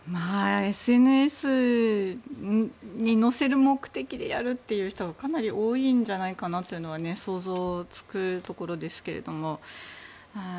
ＳＮＳに載せる目的でやるという人がかなり多いんじゃないかなというのは想像つくところですけれども。